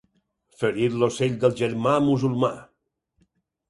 Ferir l'ocell del germà musulmà.